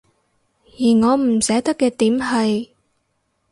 而我唔捨得嘅點係